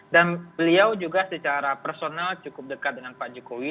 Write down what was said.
dan beliau juga secara personal cukup dekat dengan pak jokowi